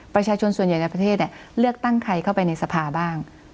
ประชาชนส่วนใหญ่ในประเทศเลือกตั้งใครเข้าไปในสภาบ้าง